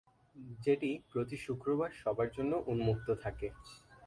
যেটি প্রতি শুক্রবার সবার জন্য উন্মুক্ত থাকে।